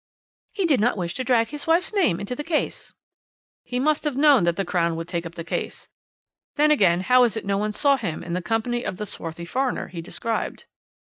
Why?" "He did not wish to drag his wife's name into the case." "He must have known that the Crown would take up the case. Then, again, how is it no one saw him in the company of the swarthy foreigner he described?"